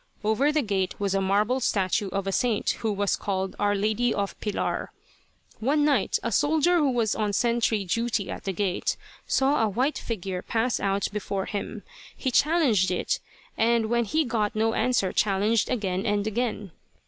Over the gate was a marble statue of a saint, who was called 'Our Lady of Pilar.' "One night a soldier who was on sentry duty at the gate saw a white figure pass out before him. He challenged it, and when he got no answer challenged again and again.